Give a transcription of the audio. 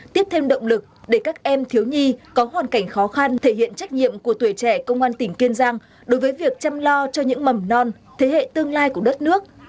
tiếp thêm động lực để các em thiếu nhi có hoàn cảnh khó khăn thể hiện trách nhiệm của tuổi trẻ công an tỉnh kiên giang đối với việc chăm lo cho những mầm non thế hệ tương lai của đất nước